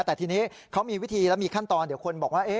แต่ทีนี้เขามีวิธีแล้วมีขั้นตอนเดี๋ยวคนบอกว่า